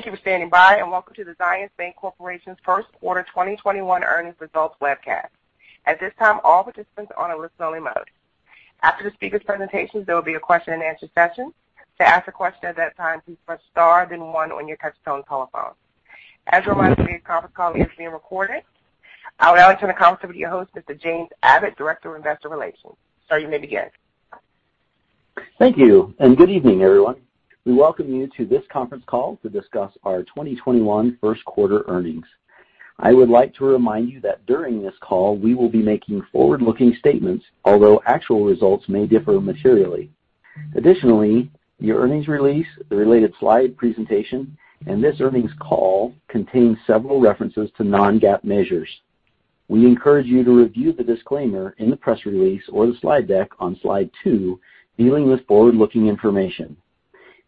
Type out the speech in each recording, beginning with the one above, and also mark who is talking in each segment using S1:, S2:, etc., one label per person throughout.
S1: Thank you for standing by, and welcome to the Zions Bancorporation's first quarter 2021 earnings results webcast. At this time, all participants are on a listen-only mode. After the speakers' presentations, there will be a question-and-answer session. To ask a question at that time, please press star then one on your touch-tone telephone. As a reminder, today's conference call is being recorded. I will now turn the conference over to your host, Mr. James Abbott, Director of Investor Relations. Sir, you may begin.
S2: Thank you, and good evening, everyone. We welcome you to this conference call to discuss our 2021 first quarter earnings. I would like to remind you that during this call, we will be making forward-looking statements, although actual results may differ materially. Additionally, your earnings release, the related slide presentation, and this earnings call contains several references to non-GAAP measures. We encourage you to review the disclaimer in the press release or the slide deck on slide two dealing with forward-looking information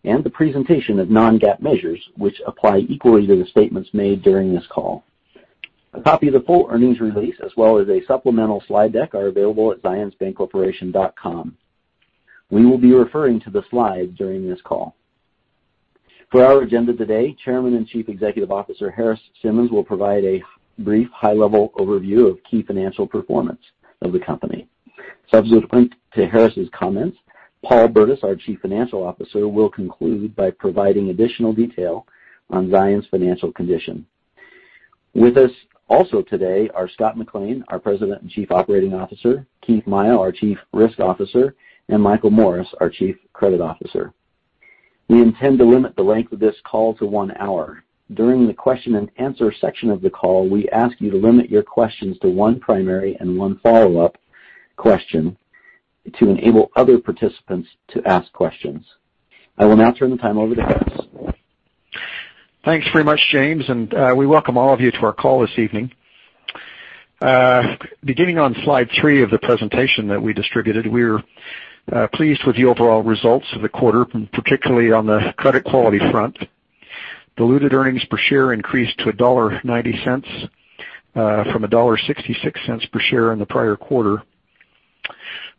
S2: and the presentation of non-GAAP measures which apply equally to the statements made during this call. A copy of the full earnings release as well as a supplemental slide deck are available at zionsbancorporation.com. We will be referring to the slides during this call. For our agenda today, Chairman and Chief Executive Officer Harris Simmons will provide a brief high-level overview of key financial performance of the company. Subsequent to Harris' comments, Paul Burdiss, our Chief Financial Officer, will conclude by providing additional detail on Zions financial condition. With us also today are Scott McLean, our President and Chief Operating Officer, Keith Maio, our Chief Risk Officer, and Michael Morris, our Chief Credit Officer. We intend to limit the length of this call to one hour. During the question-and-answer section of the call, we ask you to limit your questions to one primary and one follow-up question to enable other participants to ask questions. I will now turn the time over to Harris.
S3: Thanks very much, James, and we welcome all of you to our call this evening. Beginning on slide three of the presentation that we distributed, we're pleased with the overall results of the quarter, particularly on the credit quality front. Diluted earnings per share increased to $1.90 from $1.66 per share in the prior quarter.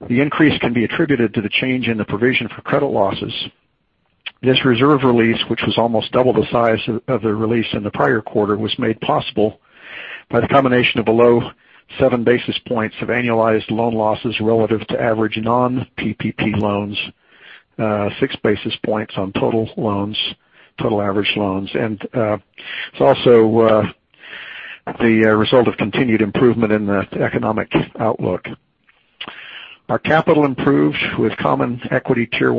S3: The increase can be attributed to the change in the provision for credit losses. This reserve release, which was almost double the size of the release in the prior quarter, was made possible by the combination of below 7 basis points of annualized loan losses relative to average non-PPP loans, 6 basis points on total average loans, and it's also the result of continued improvement in the economic outlook. Our capital improved with common equity Tier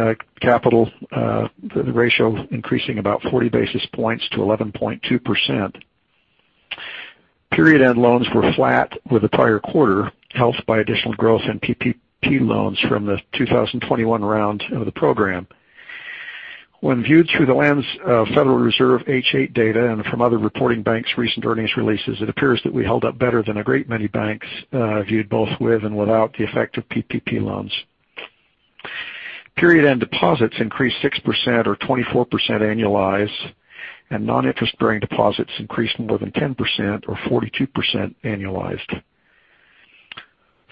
S3: I capital, the ratio increasing about 40 basis points to 11.2%. Period end loans were flat with the prior quarter, helped by additional growth in PPP loans from the 2021 round of the program. When viewed through the lens of Federal Reserve H.8 data and from other reporting banks' recent earnings releases, it appears that we held up better than a great many banks viewed both with and without the effect of PPP loans. Period end deposits increased 6% or 24% annualized, and non-interest-bearing deposits increased more than 10% or 42% annualized.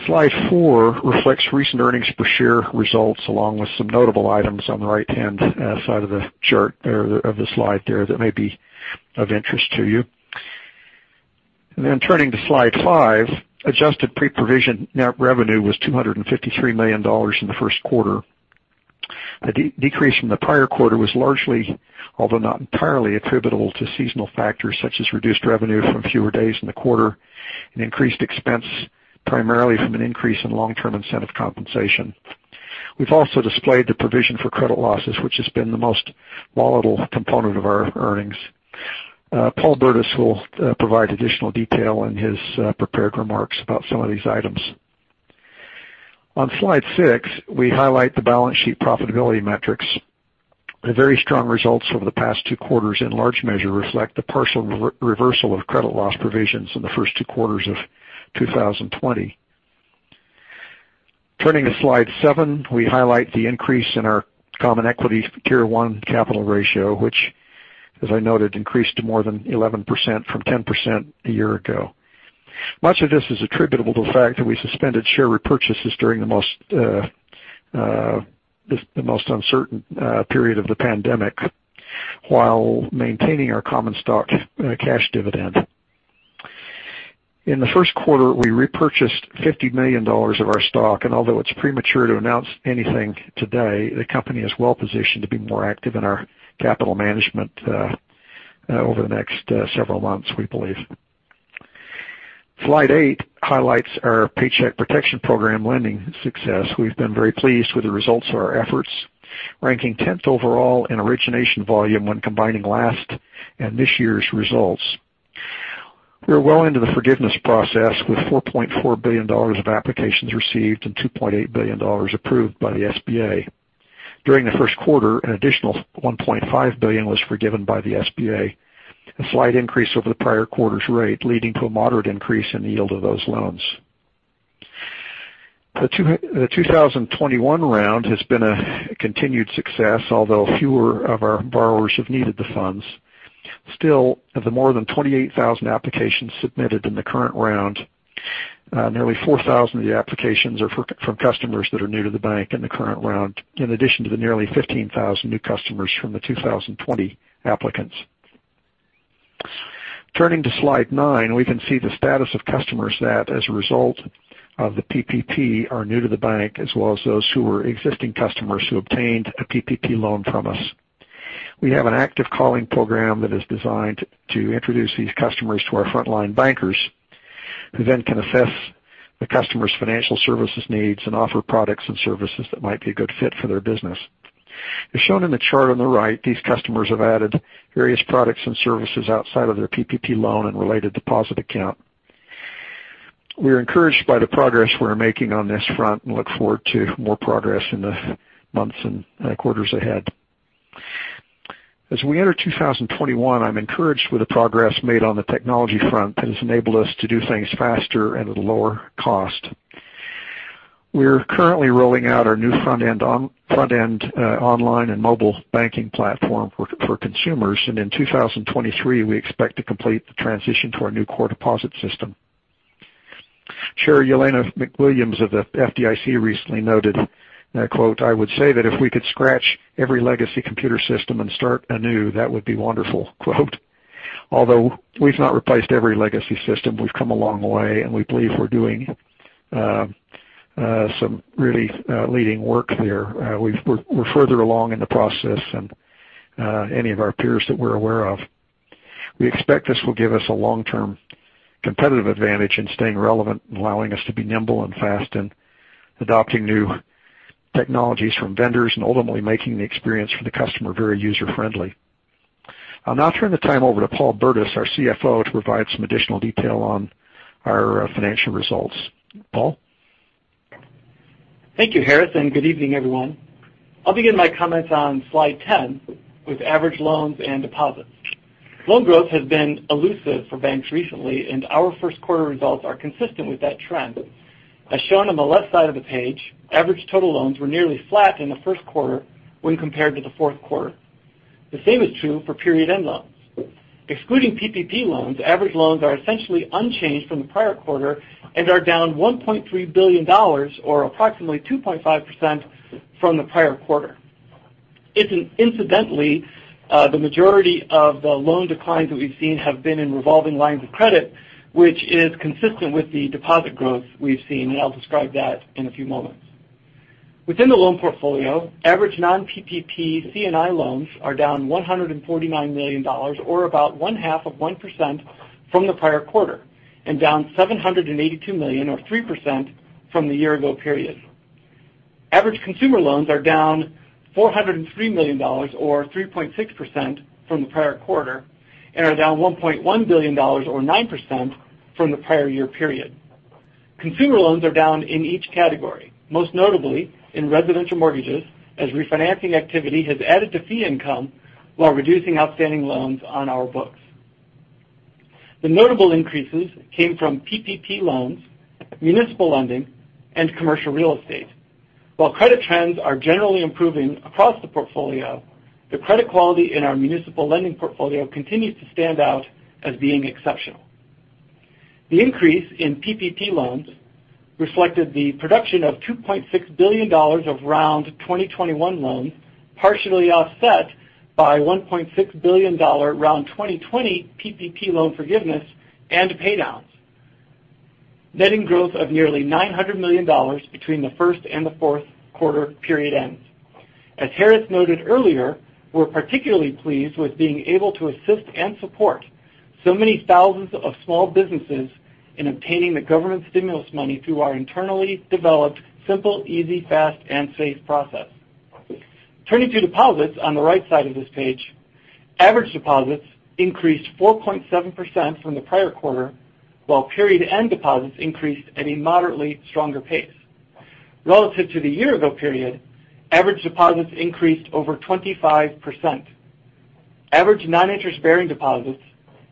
S3: Slide four reflects recent earnings per share results along with some notable items on the right-hand side of the chart there of the slide that may be of interest to you. Turning to slide five, adjusted pre-provision net revenue was $253 million in the first quarter. A decrease from the prior quarter was largely, although not entirely, attributable to seasonal factors such as reduced revenue from fewer days in the quarter and increased expense primarily from an increase in long-term incentive compensation. We've also displayed the provision for credit losses, which has been the most volatile component of our earnings. Paul Burdiss will provide additional detail in his prepared remarks about some of these items. On slide six, we highlight the balance sheet profitability metrics. The very strong results over the past two quarters in large measure reflect the partial reversal of credit loss provisions in the first two quarters of 2020. Turning to slide seven, we highlight the increase in our common equity Tier I capital ratio, which, as I noted, increased to more than 11% from 10% a year ago. Much of this is attributable to the fact that we suspended share repurchases during the most uncertain period of the pandemic while maintaining our common stock cash dividend. In the first quarter, we repurchased $50 million of our stock, and although it's premature to announce anything today, the company is well positioned to be more active in our capital management over the next several months, we believe. Slide eight highlights our Paycheck Protection Program lending success. We've been very pleased with the results of our efforts, ranking 10th overall in origination volume when combining last and this year's results. We are well into the forgiveness process with $4.4 billion of applications received and $2.8 billion approved by the SBA. During the first quarter, an additional $1.5 billion was forgiven by the SBA, a slight increase over the prior quarter's rate, leading to a moderate increase in the yield of those loans. The 2021 round has been a continued success, although fewer of our borrowers have needed the funds. Still, of the more than 28,000 applications submitted in the current round. Nearly 4,000 of the applications are from customers that are new to the bank in the current round, in addition to the nearly 15,000 new customers from the 2020 applicants. Turning to slide nine, we can see the status of customers that, as a result of the PPP, are new to the bank, as well as those who are existing customers who obtained a PPP loan from us. We have an active calling program that is designed to introduce these customers to our frontline bankers, who then can assess the customer's financial services needs and offer products and services that might be a good fit for their business. As shown in the chart on the right, these customers have added various products and services outside of their PPP loan and related deposit account. We're encouraged by the progress we're making on this front and look forward to more progress in the months and quarters ahead. As we enter 2021, I'm encouraged with the progress made on the technology front that has enabled us to do things faster and at a lower cost. We're currently rolling out our new front-end online and mobile banking platform for consumers, and in 2023, we expect to complete the transition to our new core deposit system. Chair Jelena McWilliams of the FDIC recently noted, and I quote, "I would say that if we could scratch every legacy computer system and start anew, that would be wonderful," quote. Although we've not replaced every legacy system, we've come a long way, and we believe we're doing some really leading work there. We're further along in the process than any of our peers that we're aware of. We expect this will give us a long-term competitive advantage in staying relevant and allowing us to be nimble and fast in adopting new technologies from vendors and ultimately making the experience for the customer very user-friendly. I'll now turn the time over to Paul Burdiss, our CFO, to provide some additional detail on our financial results. Paul?
S4: Thank you, Harris. Good evening, everyone. I'll begin my comments on slide 10 with average loans and deposits. Loan growth has been elusive for banks recently. Our first quarter results are consistent with that trend. As shown on the left side of the page, average total loans were nearly flat in the first quarter when compared to the fourth quarter. The same is true for period-end loans. Excluding PPP loans, average loans are essentially unchanged from the prior quarter. Are down $1.3 billion, or approximately 2.5% from the prior quarter. Incidentally, the majority of the loan declines that we've seen have been in revolving lines of credit, which is consistent with the deposit growth we've seen. I'll describe that in a few moments. Within the loan portfolio, average non-PPP C&I loans are down $149 million, or about 1.5% of 1% from the prior quarter, and down $782 million or 3% from the year-ago period. Average consumer loans are down $403 million, or 3.6% from the prior quarter, and are down $1.1 billion or 9% from the prior year period. Consumer loans are down in each category, most notably in residential mortgages, as refinancing activity has added to fee income while reducing outstanding loans on our books. The notable increases came from PPP loans, municipal lending, and commercial real estate. While credit trends are generally improving across the portfolio, the credit quality in our municipal lending portfolio continues to stand out as being exceptional. The increase in PPP loans reflected the production of $2.6 billion of round 2021 loans, partially offset by $1.6 billion round 2020 PPP loan forgiveness and pay downs, netting growth of nearly $900 million between the first and the fourth quarter period ends. As Harris noted earlier, we're particularly pleased with being able to assist and support so many thousands of small businesses in obtaining the government stimulus money through our internally developed, simple, easy, fast, and safe process. Turning to deposits on the right side of this page, average deposits increased 4.7% from the prior quarter, while period end deposits increased at a moderately stronger pace. Relative to the year-ago period, average deposits increased over 25%. Average non-interest bearing deposits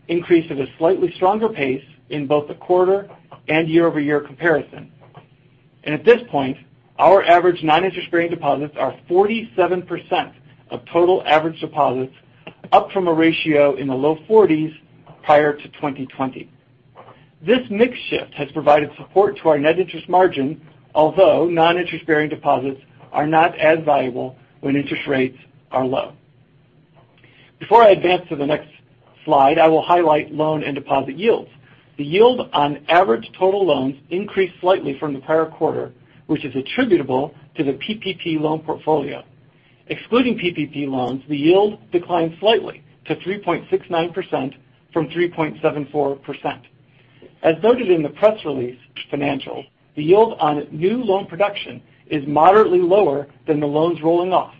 S4: increased at a slightly stronger pace in both the quarter and year-over-year comparison. At this point, our average non-interest bearing deposits are 47% of total average deposits, up from a ratio in the low-40s prior to 2020. This mix shift has provided support to our net interest margin, although non-interest bearing deposits are not as valuable when interest rates are low. Before I advance to the next slide, I will highlight loan and deposit yields. The yield on average total loans increased slightly from the prior quarter, which is attributable to the PPP loan portfolio. Excluding PPP loans, the yield declined slightly to 3.69% from 3.74%. As noted in the press release financials, the yield on new loan production is moderately lower than the loans rolling off,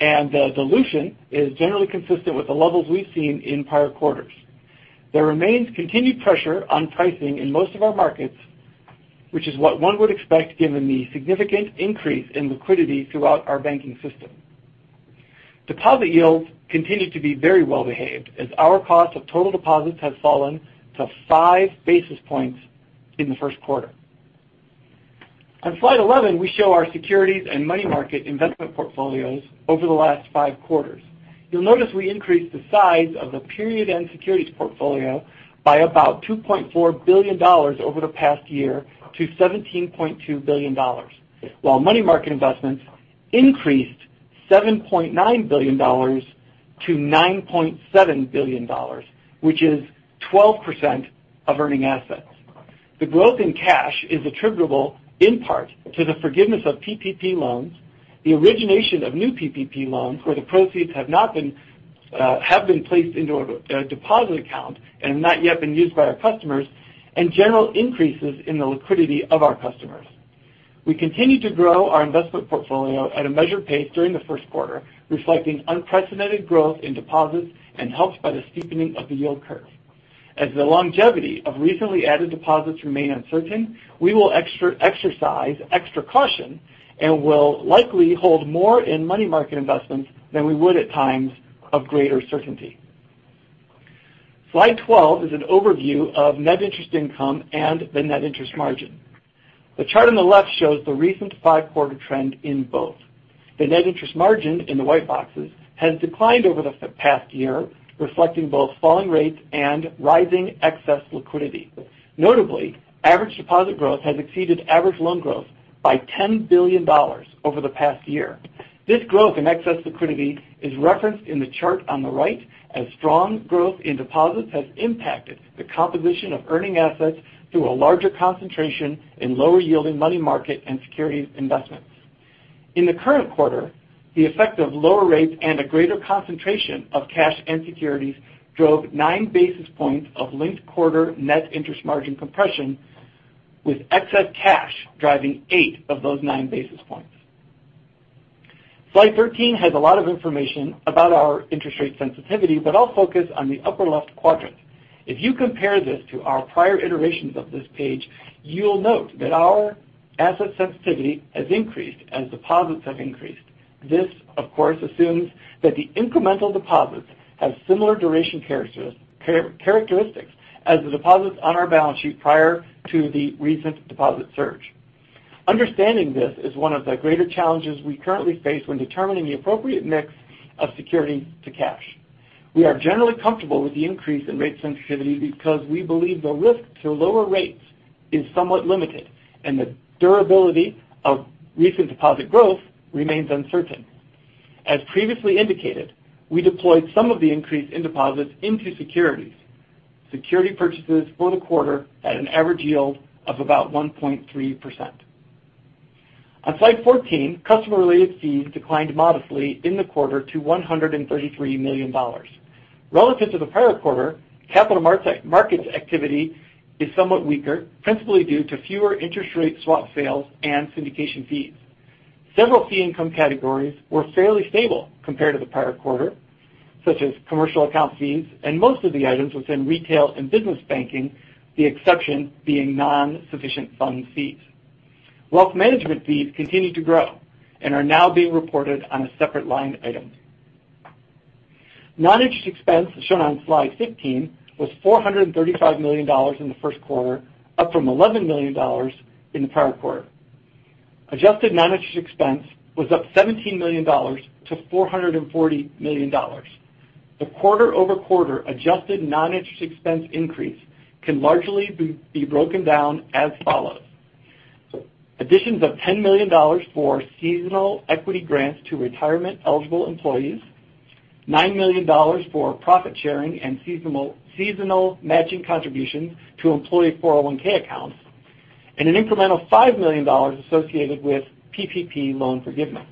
S4: and the dilution is generally consistent with the levels we've seen in prior quarters. There remains continued pressure on pricing in most of our markets, which is what one would expect given the significant increase in liquidity throughout our banking system. Deposit yields continue to be very well-behaved as our cost of total deposits have fallen to 5 basis points in the first quarter. On slide 11, we show our securities and money market investment portfolios over the last five quarters. You'll notice we increased the size of the period end securities portfolio by about $2.4 billion over the past year to $17.2 billion, while money market investments increased $7.9 billion-$9.7 billion, which is 12% of earning assets. The growth in cash is attributable in part to the forgiveness of PPP loans, the origination of new PPP loans where the proceeds have been placed into a deposit account and have not yet been used by our customers, and general increases in the liquidity of our customers. We continue to grow our investment portfolio at a measured pace during the first quarter, reflecting unprecedented growth in deposits and helped by the steepening of the yield curve. As the longevity of recently added deposits remain uncertain, we will exercise extra caution and will likely hold more in money market investments than we would at times of greater certainty. Slide 12 is an overview of net interest income and the net interest margin. The chart on the left shows the recent five-quarter trend in both. The net interest margin, in the white boxes, has declined over the past year, reflecting both falling rates and rising excess liquidity. Notably, average deposit growth has exceeded average loan growth by $10 billion over the past year. This growth in excess liquidity is referenced in the chart on the right, as strong growth in deposits has impacted the composition of earning assets through a larger concentration in lower yielding money market and securities investments. In the current quarter, the effect of lower rates and a greater concentration of cash and securities drove 9 basis points of linked quarter net interest margin compression, with excess cash driving eight of those 9 basis points. Slide 13 has a lot of information about our interest rate sensitivity, but I'll focus on the upper left quadrant. If you compare this to our prior iterations of this page, you'll note that our asset sensitivity has increased as deposits have increased. This, of course, assumes that the incremental deposits have similar duration characteristics as the deposits on our balance sheet prior to the recent deposit surge. Understanding this is one of the greater challenges we currently face when determining the appropriate mix of securities to cash. We are generally comfortable with the increase in rate sensitivity because we believe the risk to lower rates is somewhat limited and the durability of recent deposit growth remains uncertain. As previously indicated, we deployed some of the increase in deposits into securities. Security purchases for the quarter at an average yield of about 1.3%. On slide 14, customer related fees declined modestly in the quarter to $133 million. Relative to the prior quarter, capital markets activity is somewhat weaker, principally due to fewer interest rate swap sales and syndication fees. Several fee income categories were fairly stable compared to the prior quarter, such as commercial account fees and most of the items within retail and business banking, the exception being non-sufficient funds fees. Wealth management fees continue to grow and are now being reported on a separate line item. Non-interest expense, as shown on slide 15, was $435 million in the first quarter, up from $11 million in the prior quarter. Adjusted non-interest expense was up $17 million-$440 million. The quarter-over-quarter adjusted non-interest expense increase can largely be broken down as follows. Additions of $10 million for seasonal equity grants to retirement eligible employees, $9 million for profit sharing and seasonal matching contributions to employee 401 accounts, and an incremental $5 million associated with PPP loan forgiveness.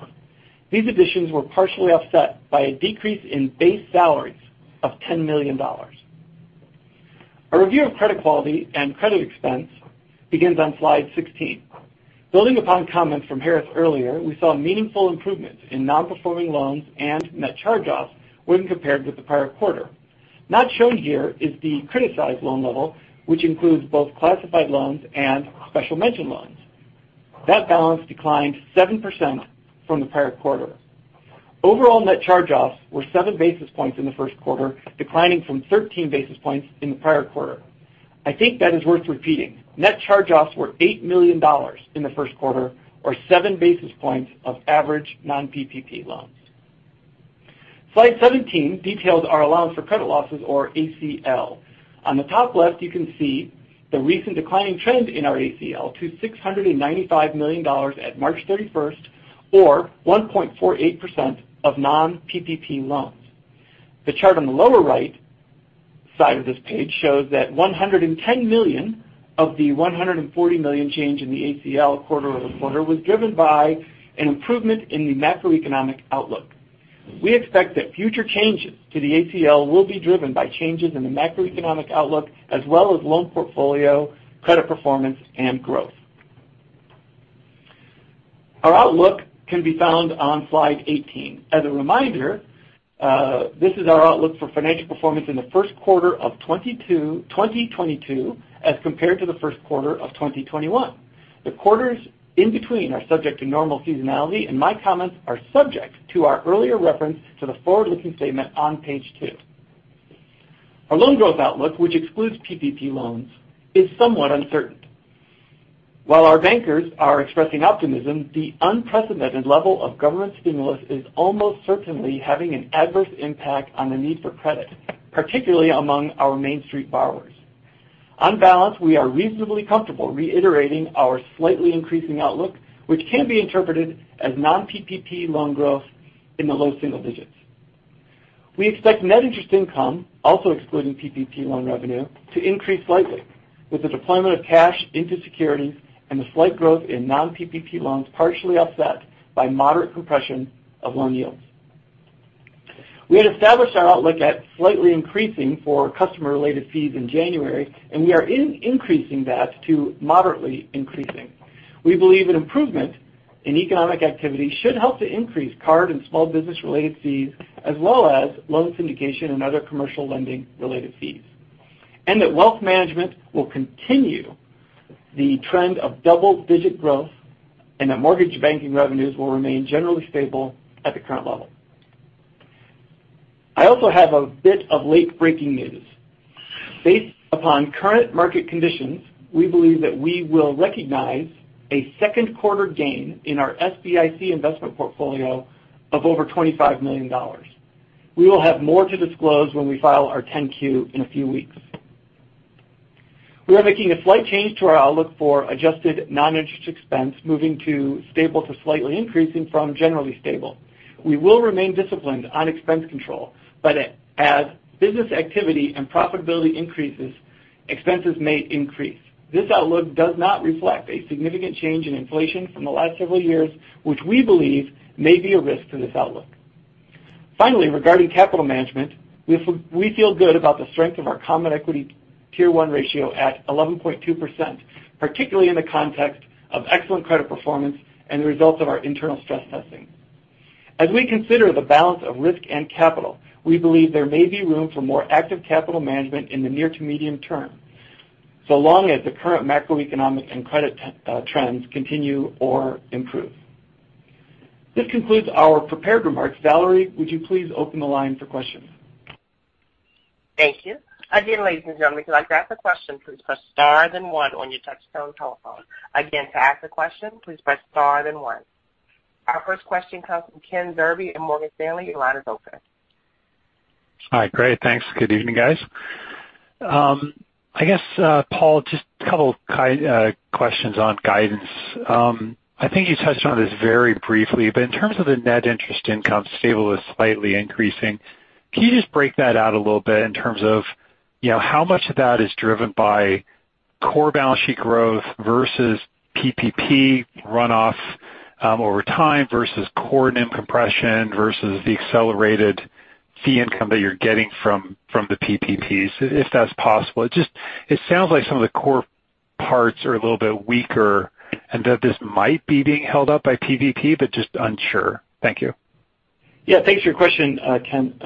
S4: These additions were partially offset by a decrease in base salaries of $10 million. Our review of credit quality and credit expense begins on slide 16. Building upon comments from Harris earlier, we saw meaningful improvements in non-performing loans and net charge-offs when compared with the prior quarter. Not shown here is the criticized loan level, which includes both classified loans and special mention loans. That balance declined 7% from the prior quarter. Overall net charge-offs were 7 basis points in the first quarter, declining from 13 basis points in the prior quarter. I think that is worth repeating. Net charge-offs were $8 million in the first quarter or 7 basis points of average non-PPP loans. Slide 17 details our allowance for credit losses or ACL. On the top left, you can see the recent declining trend in our ACL to $695 million at March 31st or 1.48% of non-PPP loans. The chart on the lower right side of this page shows that $110 million of the $140 million change in the ACL quarter-over-quarter was driven by an improvement in the macroeconomic outlook. We expect that future changes to the ACL will be driven by changes in the macroeconomic outlook as well as loan portfolio, credit performance, and growth. Our outlook can be found on slide 18. As a reminder, this is our outlook for financial performance in the first quarter of 2022 as compared to the first quarter of 2021. The quarters in between are subject to normal seasonality, and my comments are subject to our earlier reference to the forward-looking statement on page two. Our loan growth outlook, which excludes PPP loans, is somewhat uncertain. While our bankers are expressing optimism, the unprecedented level of government stimulus is almost certainly having an adverse impact on the need for credit, particularly among our Main Street borrowers. On balance, we are reasonably comfortable reiterating our slightly increasing outlook, which can be interpreted as non-PPP loan growth in the low single digits. We expect net interest income, also excluding PPP loan revenue, to increase slightly, with the deployment of cash into securities and the slight growth in non-PPP loans partially offset by moderate compression of loan yields. We had established our outlook at slightly increasing for customer-related fees in January, and we are increasing that to moderately increasing. We believe an improvement in economic activity should help to increase card and small business-related fees, as well as loan syndication and other commercial lending-related fees, and that wealth management will continue the trend of double-digit growth and that mortgage banking revenues will remain generally stable at the current level. I also have a bit of late-breaking news. Based upon current market conditions, we believe that we will recognize a second quarter gain in our SBIC investment portfolio of over $25 million. We will have more to disclose when we file our 10-Q in a few weeks. We are making a slight change to our outlook for adjusted non-interest expense, moving to stable to slightly increasing from generally stable. As business activity and profitability increases, expenses may increase. This outlook does not reflect a significant change in inflation from the last several years, which we believe may be a risk to this outlook. Finally, regarding capital management, we feel good about the strength of our common equity Tier I ratio at 11.2%, particularly in the context of excellent credit performance and the results of our internal stress testing. As we consider the balance of risk and capital, we believe there may be room for more active capital management in the near to medium term, so long as the current macroeconomic and credit trends continue or improve. This concludes our prepared remarks. Valerie, would you please open the line for questions?
S1: Thank you. Ladies and gentlemen to ask a question please press star then one on your touchtone telephone. Again to ask a question please press star then one. Our first question comes from Ken Zerbe in Morgan Stanley. Your line is open.
S5: Hi. Great. Thanks. Good evening, guys. I guess, Paul, just a couple questions on guidance. I think you touched on this very briefly, but in terms of the net interest income stable to slightly increasing, can you just break that out a little bit in terms of how much of that is driven by core balance sheet growth versus PPP runoff over time versus core NIM compression versus the accelerated fee income that you're getting from the PPPs, if that's possible? It sounds like some of the core parts are a little bit weaker and that this might be being held up by PPP, but just unsure. Thank you.
S4: Thanks for your question, Ken.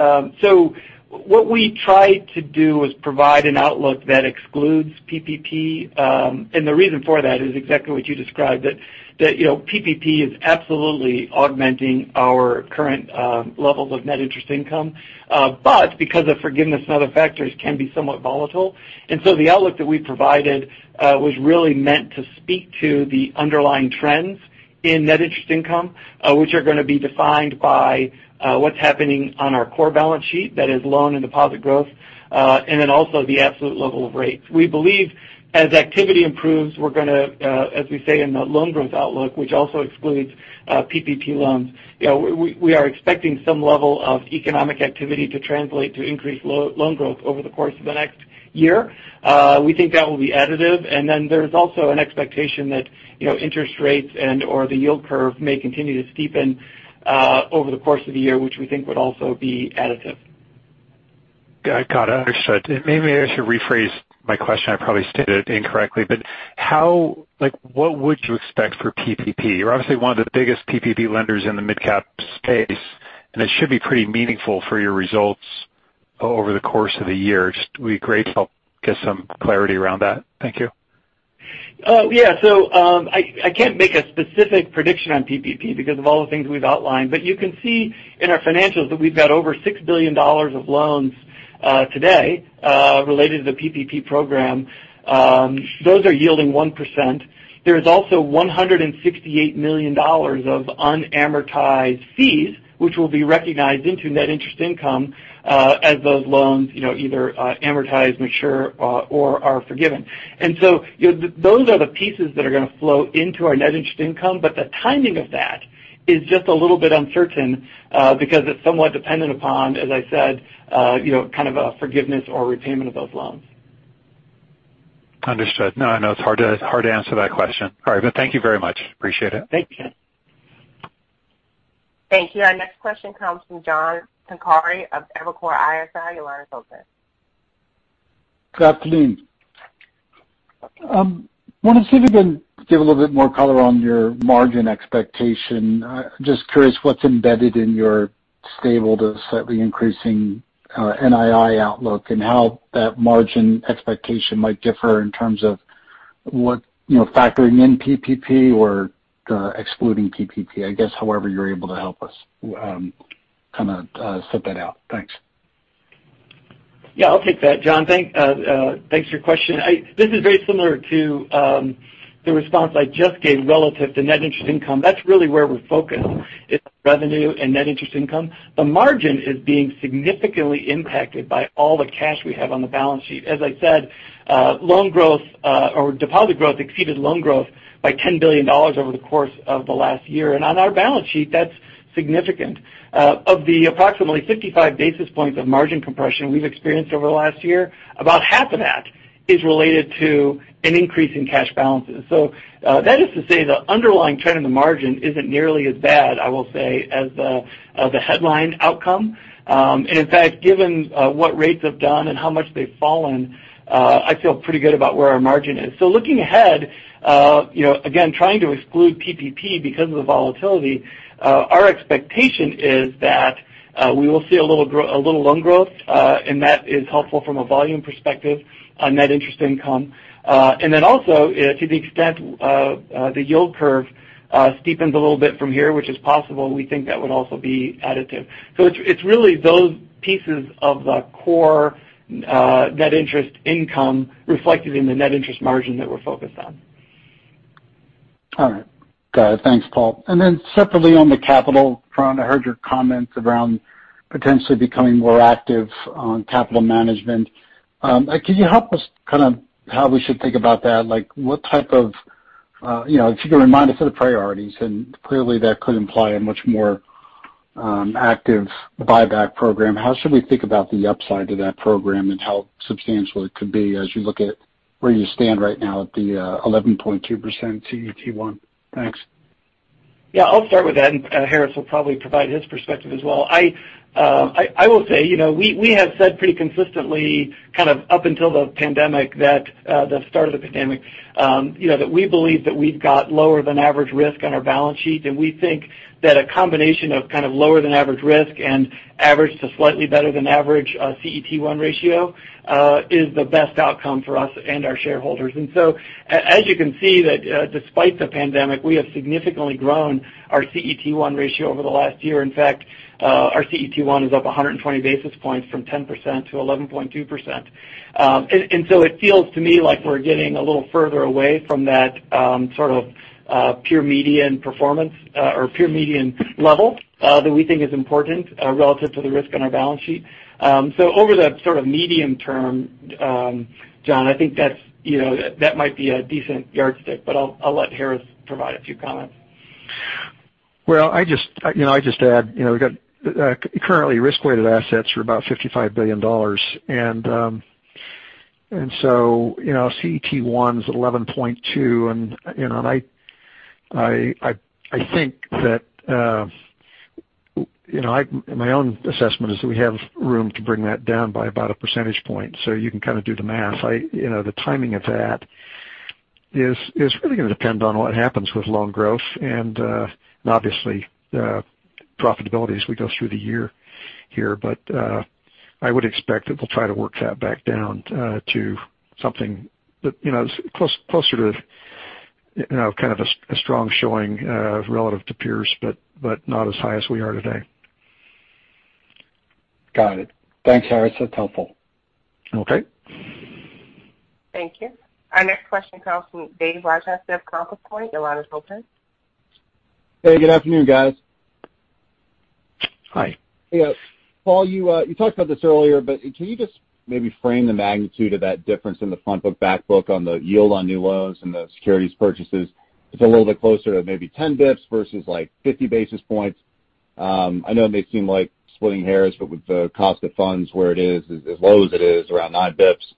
S4: What we try to do is provide an outlook that excludes PPP. The reason for that is exactly what you described, that PPP is absolutely augmenting our current levels of net interest income. Because of forgiveness and other factors, can be somewhat volatile. The outlook that we provided was really meant to speak to the underlying trends in net interest income, which are going to be defined by what's happening on our core balance sheet, that is loan and deposit growth, and then also the absolute level of rates. We believe as activity improves, as we say in the loan growth outlook, which also excludes PPP loans, we are expecting some level of economic activity to translate to increased loan growth over the course of the next year. We think that will be additive. There's also an expectation that interest rates and/or the yield curve may continue to steepen over the course of the year, which we think would also be additive.
S5: Got it. Understood. Maybe I should rephrase my question. I probably stated it incorrectly. What would you expect for PPP? You're obviously one of the biggest PPP lenders in the midcap space, and it should be pretty meaningful for your results over the course of the year. It would be great to help get some clarity around that. Thank you.
S4: I can't make a specific prediction on PPP because of all the things we've outlined. You can see in our financials that we've got over $6 billion of loans today related to the PPP Program. Those are yielding 1%. There is also $168 million of unamortized fees, which will be recognized into net interest income as those loans either amortize, mature, or are forgiven. Those are the pieces that are going to flow into our net interest income. The timing of that is just a little bit uncertain because it's somewhat dependent upon, as I said, kind of a forgiveness or repayment of those loans.
S5: Understood. No, I know it's hard to answer that question. All right. Thank you very much. Appreciate it.
S4: Thank you.
S1: Thank you. Our next question comes from John Pancari of Evercore ISI. Your line is open.
S6: Good afternoon. Wanted you to give a little bit more color on your margin expectation. Just curious what's embedded in your stable to slightly increasing NII outlook and how that margin expectation might differ in terms of factoring in PPP or excluding PPP, I guess, however you're able to help us kind of set that out. Thanks.
S4: Yeah, I'll take that, John. Thanks for your question. This is very similar to the response I just gave relative to net interest income. That's really where we're focused, is revenue and net interest income. The margin is being significantly impacted by all the cash we have on the balance sheet. As I said, deposit growth exceeded loan growth by $10 billion over the course of the last year. On our balance sheet, that's significant. Of the approximately 55 basis points of margin compression we've experienced over the last year, about half of that is related to an increase in cash balances. That is to say, the underlying trend in the margin isn't nearly as bad, I will say, as the headline outcome. In fact, given what rates have done and how much they've fallen, I feel pretty good about where our margin is. Looking ahead, again, trying to exclude PPP because of the volatility, our expectation is that we will see a little loan growth, and that is helpful from a volume perspective on net interest income. Then also, to the extent the yield curve steepens a little bit from here, which is possible, we think that would also be additive. It's really those pieces of the core net interest income reflected in the net interest margin that we're focused on.
S6: All right. Got it. Thanks, Paul. Separately on the capital front, I heard your comments around potentially becoming more active on capital management. Can you help us kind of how we should think about that? If you can remind us of the priorities, clearly that could imply a much more active buyback program. How should we think about the upside to that program and how substantial it could be as you look at where you stand right now at the 11.2% CET1? Thanks.
S4: I'll start with that. Harris will probably provide his perspective as well. I will say, we have said pretty consistently up until the start of the pandemic, that we believe that we've got lower than average risk on our balance sheet. We think that a combination of lower than average risk and average to slightly better than average CET1 ratio is the best outcome for us and our shareholders. As you can see that despite the pandemic, we have significantly grown our CET1 ratio over the last year. In fact, our CET1 is up 120 basis points from 10%-11.2%. It feels to me like we're getting a little further away from that sort of pure median performance or pure median level that we think is important relative to the risk on our balance sheet. Over the sort of medium term, John, I think that might be a decent yardstick, but I'll let Harris provide a few comments.
S3: I'd just add, we've got currently risk-weighted assets for about $55 billion. CET1 is 11.2% and my own assessment is that we have room to bring that down by about a percentage point. You can kind of do the math. The timing of that is really going to depend on what happens with loan growth and obviously profitability as we go through the year here. I would expect that we'll try to work that back down to something that's closer to kind of a strong showing relative to peers, but not as high as we are today.
S6: Got it. Thanks, Harris. That's helpful.
S3: Okay.
S1: Thank you. Our next question comes from David Rochester of Compass Point. Your line is open.
S7: Hey, good afternoon, guys.
S3: Hi.
S7: Hey. Paul, you talked about this earlier, can you just maybe frame the magnitude of that difference in the front book, back book on the yield on new loans and the securities purchases? It's a little bit closer to maybe 10 basis points versus 50 basis points. I know it may seem like splitting hairs, but with the cost of funds where it is, as low as it is around 9 basis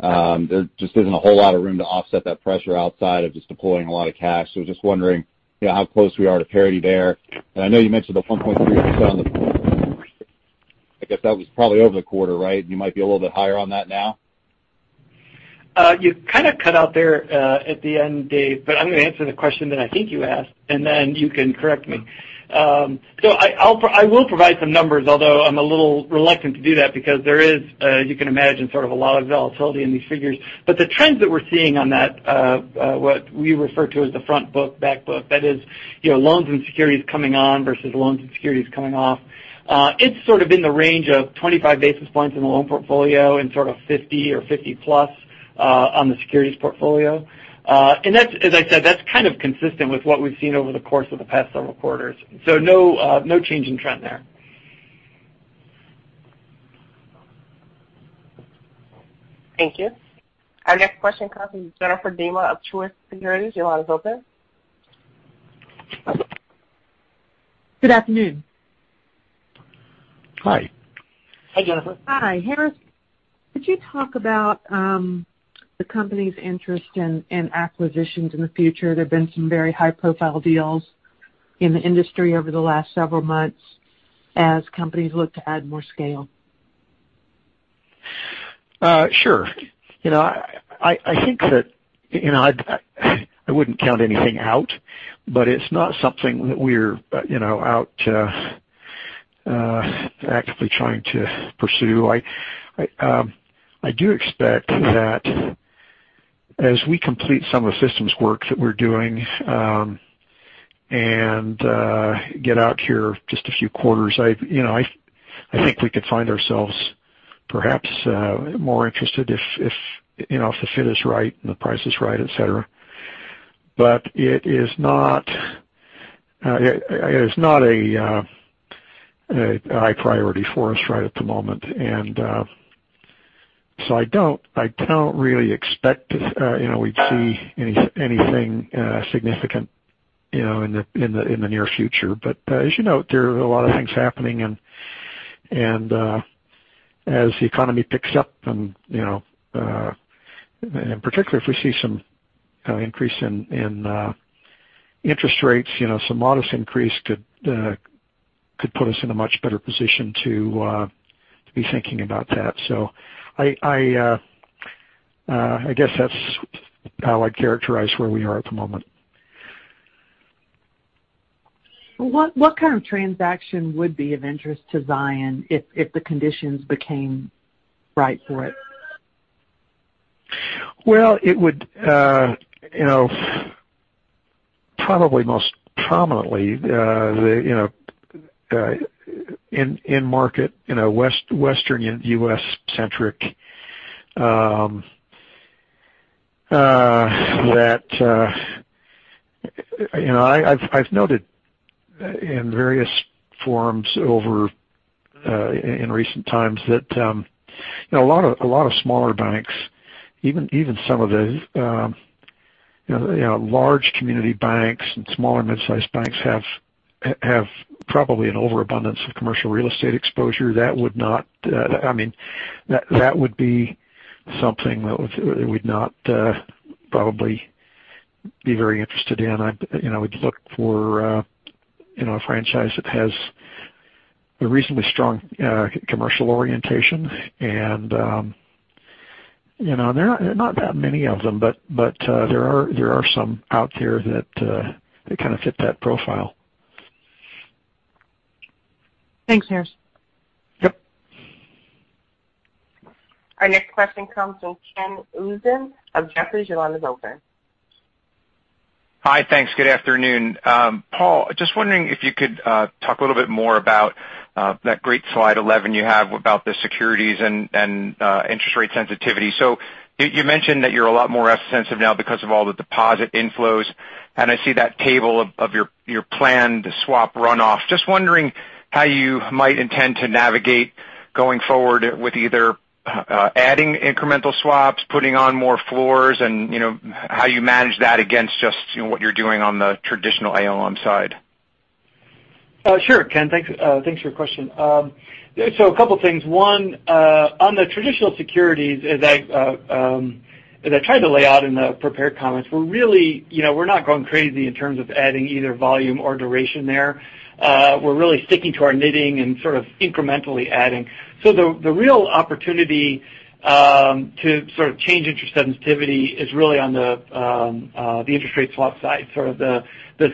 S7: points, there just isn't a whole lot of room to offset that pressure outside of just deploying a lot of cash. Just wondering how close we are to parity there. I know you mentioned the 1.3%. I guess that was probably over the quarter, right? You might be a little bit higher on that now.
S4: You kind of cut out there at the end, Dave, but I'm going to answer the question that I think you asked, and then you can correct me. I will provide some numbers, although I'm a little reluctant to do that because there is, as you can imagine, sort of a lot of volatility in these figures. The trends that we're seeing on that, what we refer to as the front book, back book, that is, loans and securities coming on versus loans and securities coming off. It's sort of in the range of 25 basis points in the loan portfolio and sort of 50 basis points or 50+ basis points on the securities portfolio. As I said, that's kind of consistent with what we've seen over the course of the past several quarters. No change in trend there.
S1: Thank you. Our next question comes from Jennifer Demba of Truist Securities. Your line is open.
S8: Good afternoon.
S3: Hi. Hey, Jennifer.
S8: Hi. Harris, could you talk about the company's interest in acquisitions in the future? There have been some very high-profile deals in the industry over the last several months as companies look to add more scale.
S3: Sure. I wouldn't count anything out, but it's not something that we're out actively trying to pursue. I do expect that as we complete some of the systems work that we're doing and get out here just a few quarters, I think we could find ourselves perhaps more interested if the fit is right and the price is right, etc. It is not a high priority for us right at the moment. I don't really expect we'd see anything significant in the near future. As you note, there are a lot of things happening, and as the economy picks up and, in particular, if we see some increase in interest rates, some modest increase could put us in a much better position to be thinking about that. I guess that's how I'd characterize where we are at the moment.
S8: What kind of transaction would be of interest to Zions if the conditions became right for it?
S3: Well, it would probably most prominently, in market, Western U.S.-centric. I've noted in various forums in recent times that a lot of smaller banks, even some of the large community banks and small or mid-sized banks have probably an overabundance of commercial real estate exposure. That would be something that we'd not probably be very interested in. I would look for a franchise that has a reasonably strong commercial orientation and there are not that many of them, but there are some out there that kind of fit that profile.
S8: Thanks, Harris.
S3: Yep.
S1: Our next question comes from Ken Usdin of Jefferies. Your line is open.
S9: Hi, thanks. Good afternoon. Paul, just wondering if you could talk a little bit more about that great slide 11 you have about the securities and interest rate sensitivity. You mentioned that you're a lot more sensitive now because of all the deposit inflows, and I see that table of your planned swap runoff. Just wondering how you might intend to navigate going forward with either adding incremental swaps, putting on more floors, and how you manage that against just what you're doing on the traditional ALM side.
S4: Sure, Ken. Thanks for your question. A couple things. One, on the traditional securities, as I tried to lay out in the prepared comments, we're not going crazy in terms of adding either volume or duration there. We're really sticking to our knitting and sort of incrementally adding. The real opportunity to sort of change interest sensitivity is really on the interest rate swap side, sort of the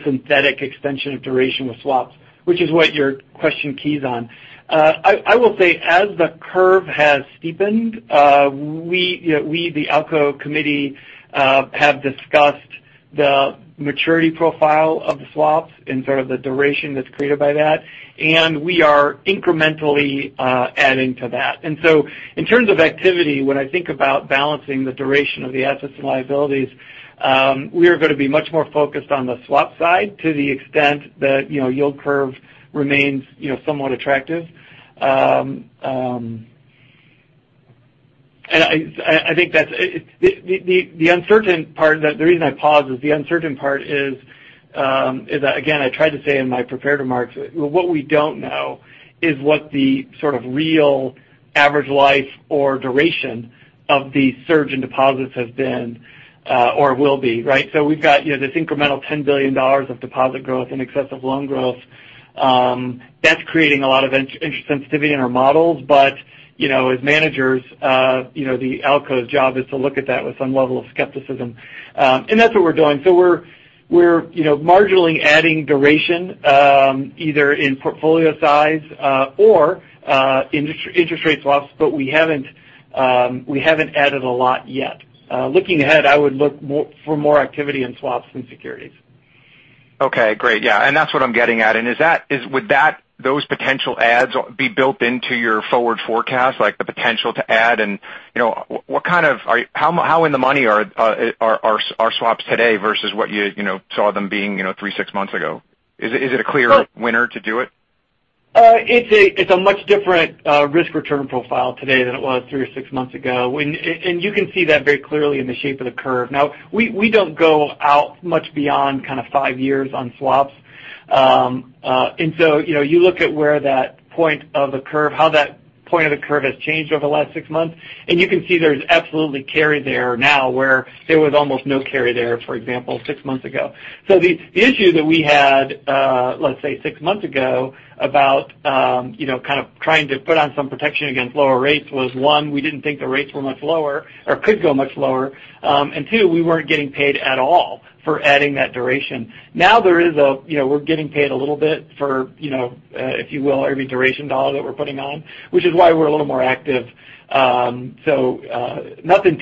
S4: synthetic extension of duration with swaps, which is what your question keys on. I will say, as the curve has steepened, we, the ALCO committee, have discussed the maturity profile of the swaps and sort of the duration that's created by that, and we are incrementally adding to that. In terms of activity, when I think about balancing the duration of the assets and liabilities, we are going to be much more focused on the swap side to the extent that yield curve remains somewhat attractive. The reason I pause is the uncertain part is, again, I tried to say in my prepared remarks, what we don't know is what the sort of real average life or duration of the surge in deposits has been or will be, right? We've got this incremental $10 billion of deposit growth in excess of loan growth. That's creating a lot of interest sensitivity in our models, but as managers, the ALCO's job is to look at that with some level of skepticism. That's what we're doing. We're marginally adding duration, either in portfolio size or interest rate swaps, but we haven't added a lot yet. Looking ahead, I would look for more activity in swaps than securities.
S9: Okay, great. Yeah, that's what I'm getting at. Would those potential adds be built into your forward forecast, like the potential to add and how in the money are swaps today versus what you saw them being three, six months ago? Is it a clear winner to do it?
S4: It's a much different risk-return profile today than it was three or six months ago, and you can see that very clearly in the shape of the curve. Now, we don't go out much beyond kind of five years on swaps. You look at how that point of the curve has changed over the last six months, and you can see there's absolutely carry there now where there was almost no carry there, for example, six months ago. The issue that we had, let's say six months ago about kind of trying to put on some protection against lower rates was, one, we didn't think the rates were much lower or could go much lower. Two, we weren't getting paid at all for adding that duration. Now we're getting paid a little bit for, if you will, every duration dollar that we're putting on, which is why we're a little more active. Nothing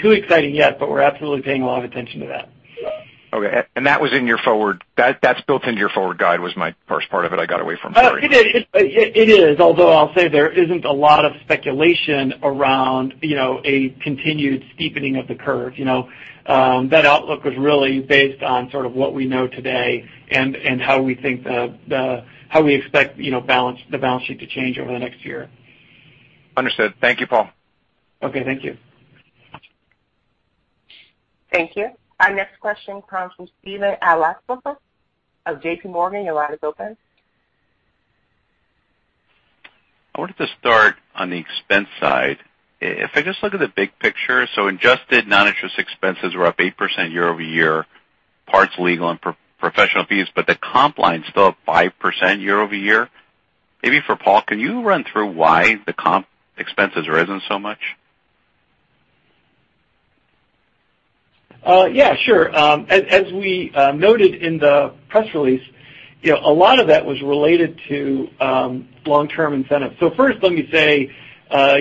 S4: too exciting yet, but we're absolutely paying a lot of attention to that.
S9: Okay. That's built into your forward guide was my first part of it. I got away from sorry.
S4: It is, although I'll say there isn't a lot of speculation around a continued steepening of the curve. That outlook was really based on sort of what we know today and how we expect the balance sheet to change over the next year.
S9: Understood. Thank you, Paul.
S4: Okay. Thank you.
S1: Thank you. Our next question comes from Steven Alexopoulos of JPMorgan. Your line is open.
S10: I wanted to start on the expense side. If I just look at the big picture, so adjusted non-interest expenses were up 8% year-over-year, parts legal and professional fees, but the comp line's still up 5% year-over-year. Maybe for Paul, can you run through why the comp expenses have risen so much?
S4: Yeah, sure. As we noted in the press release, a lot of that was related to long-term incentives. First, let me say,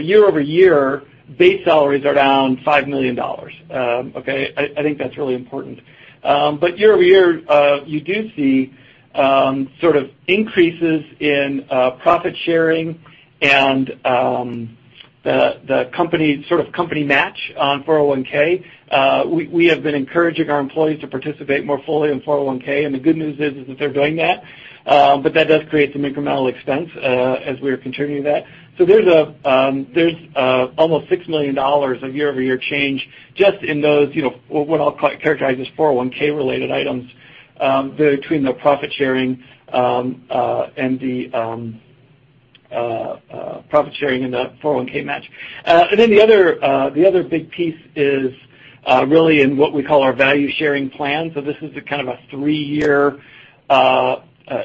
S4: year-over-year, base salaries are down $5 million. Okay? I think that's really important. Year-over-year, you do see sort of increases in profit sharing and the sort of company match on 401(k). We have been encouraging our employees to participate more fully in 401(k), and the good news is that they're doing that. That does create some incremental expense as we are contributing to that. There's almost $6 million of year-over-year change just in those, what I'll characterize as 401(k)-related items, between the profit sharing and the 401(k) match. The other big piece is really in what we call our Value Sharing Plan. This is kind of a three-year,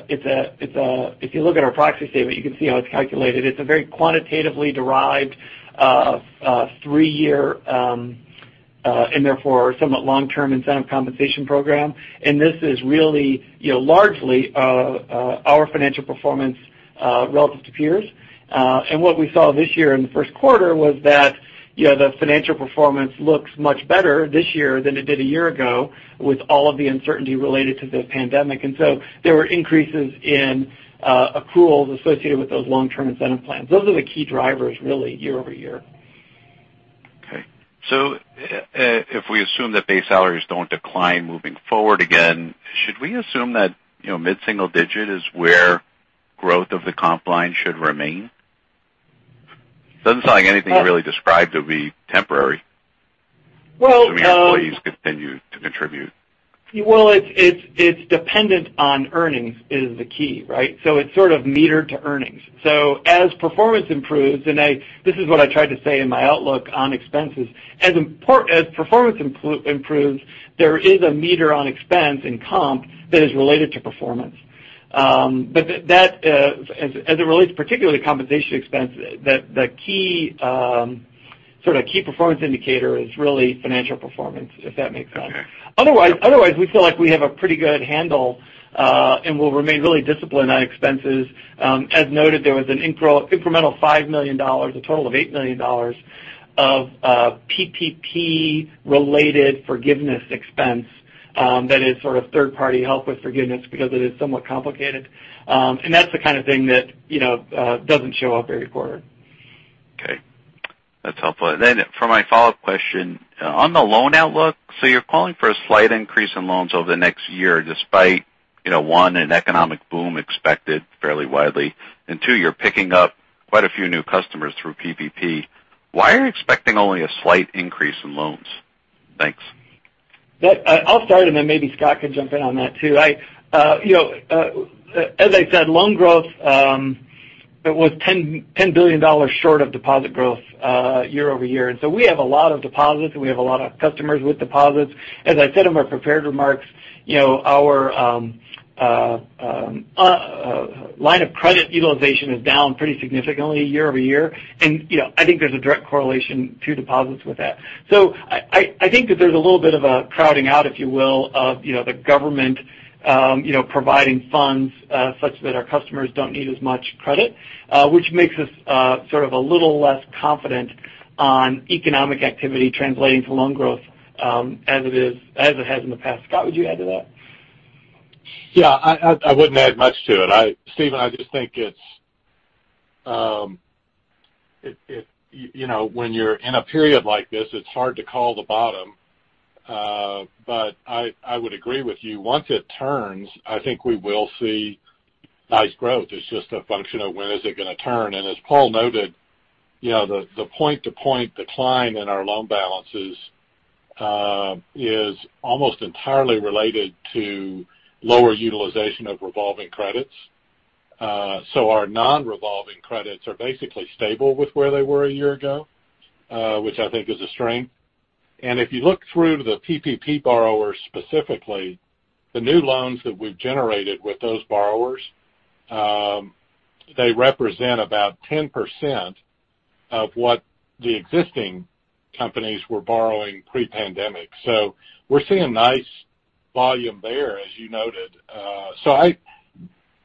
S4: if you look at our proxy statement, you can see how it's calculated. It's a very quantitatively derived three-year, and therefore, somewhat long-term incentive compensation program. This is really largely our financial performance relative to peers. What we saw this year in the first quarter was that the financial performance looks much better this year than it did a year ago with all of the uncertainty related to the pandemic. There were increases in accruals associated with those long-term incentive plans. Those are the key drivers, really, year-over-year.
S10: Okay. If we assume that base salaries don't decline moving forward again, should we assume that mid-single digit is where growth of the comp line should remain? It doesn't sound like anything you really described to be temporary.
S4: Well-
S10: As your employees continue to contribute.
S4: Well, it's dependent on earnings is the key, right? It's sort of metered to earnings. As performance improves, and this is what I tried to say in my outlook on expenses. As performance improves, there is a meter on expense and comp that is related to performance. As it relates particularly to compensation expense, the sort of key performance indicator is really financial performance, if that makes sense.
S10: Okay.
S4: Otherwise, we feel like we have a pretty good handle, and we'll remain really disciplined on expenses. As noted, there was an incremental $5 million, a total of $8 million of PPP-related forgiveness expense that is sort of third party help with forgiveness because it is somewhat complicated. That's the kind of thing that doesn't show up every quarter.
S10: Okay. That's helpful. For my follow-up question, on the loan outlook, so you're calling for a slight increase in loans over the next year, despite, one, an economic boom expected fairly widely, and two, you're picking up quite a few new customers through PPP. Why are you expecting only a slight increase in loans? Thanks.
S4: I'll start, and then maybe Scott can jump in on that too. As I said, loan growth was $10 billion short of deposit growth year-over-year. We have a lot of deposits, and we have a lot of customers with deposits. As I said in my prepared remarks, our line of credit utilization is down pretty significantly year-over-year. I think there's a direct correlation to deposits with that. I think that there's a little bit of a crowding out, if you will, of the government providing funds such that our customers don't need as much credit, which makes us sort of a little less confident on economic activity translating to loan growth as it has in the past. Scott, would you add to that?
S11: Yeah, I wouldn't add much to it. Steven, I just think when you're in a period like this, it's hard to call the bottom. I would agree with you. Once it turns, I think we will see nice growth. It's just a function of when is it going to turn. As Paul noted, the point to point decline in our loan balances is almost entirely related to lower utilization of revolving credits. Our non-revolving credits are basically stable with where they were a year ago, which I think is a strength. If you look through the PPP borrowers, specifically, the new loans that we've generated with those borrowers, they represent about 10% of what the existing companies were borrowing pre-pandemic. We're seeing nice volume there, as you noted.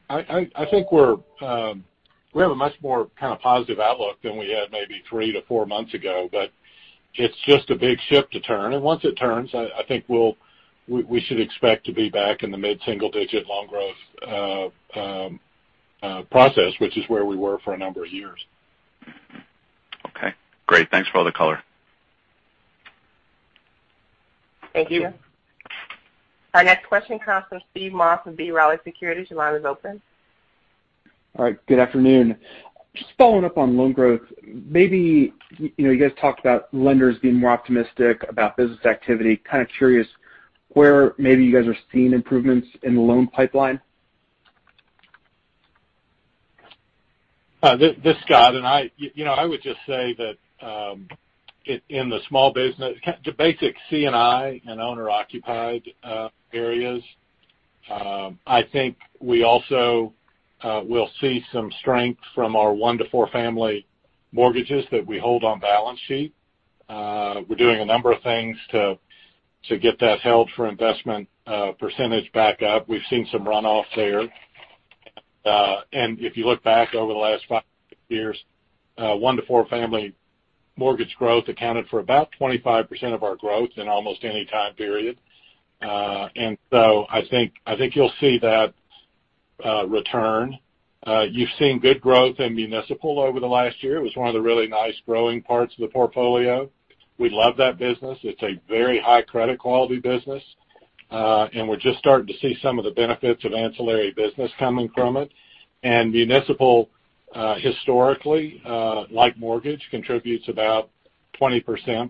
S11: I think we have a much more positive outlook than we had maybe three to four months ago, but it's just a big ship to turn. Once it turns, I think we should expect to be back in the mid-single-digit loan growth process, which is where we were for a number of years.
S10: Okay, great. Thanks for all the color.
S1: Thank you. Our next question comes from Steve Moss from B. Riley Securities. Your line is open.
S12: All right. Good afternoon. Just following up on loan growth. Maybe you guys talked about lenders being more optimistic about business activity. Kind of curious where maybe you guys are seeing improvements in the loan pipeline.
S11: This is Scott. I would just say that in the basic C&I and owner-occupied areas. I think we also will see some strength from our one to four family mortgages that we hold on balance sheet. We're doing a number of things to get that held-for-investment percentage back up. We've seen some runoff there. If you look back over the last five years, one to four family mortgage growth accounted for about 25% of our growth in almost any time period. I think you'll see that return. You've seen good growth in municipal over the last year. It was one of the really nice growing parts of the portfolio. We love that business. It's a very high credit quality business. We're just starting to see some of the benefits of ancillary business coming from it. Municipal, historically, like mortgage, contributes about 20%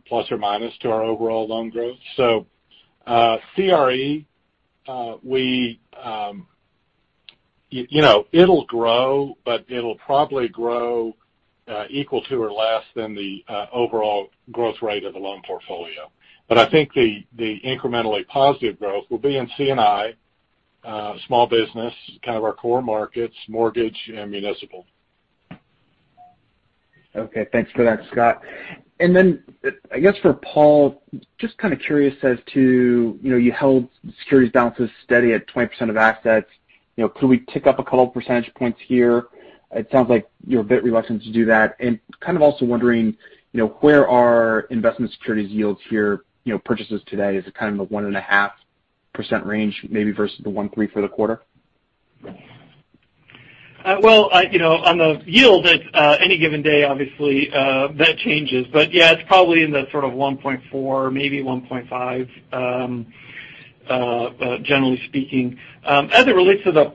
S11: ± to our overall loan growth. CRE, it'll grow, but it'll probably grow equal to or less than the overall growth rate of the loan portfolio. I think the incrementally positive growth will be in C&I, small business, kind of our core markets, mortgage, and municipal.
S12: Okay, thanks for that, Scott. I guess for Paul, just kind of curious as to you held securities balances steady at 20% of assets. Could we tick up a couple of percentage points here? It sounds like you're a bit reluctant to do that. Kind of also wondering where are investment securities yields here, purchases today? Is it kind of the 1.5% range maybe versus the 1.3% for the quarter?
S4: Well, on the yield at any given day, obviously, that changes. Yeah, it's probably in the sort of 1.4%, maybe 1.5%, generally speaking. As it relates to the